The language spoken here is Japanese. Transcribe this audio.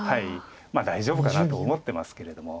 大丈夫かなと思ってますけれども。